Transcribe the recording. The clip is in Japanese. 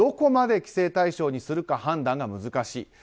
どこまで規制対象にするか判断が難しい。